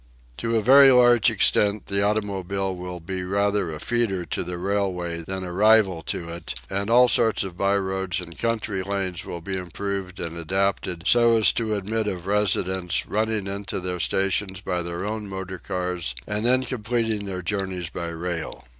To a very large extent the automobile will be rather a feeder to the railway than a rival to it; and all sorts of by roads and country lanes will be improved and adapted so as to admit of residents running into their stations by their own motor cars and then completing their journeys by rail.